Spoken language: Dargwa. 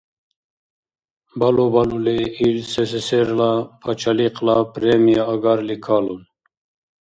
Балу-балули, ил СССР-ла Пачалихъла премия агарли калун.